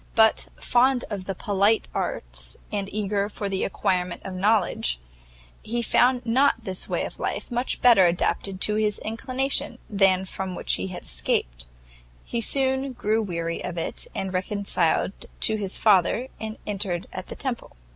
But, fond of the polite arts, and eager for the acquirement of knowledge, he found not this way of life much better adapted to his inclination than that from which he had escaped; he soon grew weary of it, was reconciled to his father, and entered at the Temple.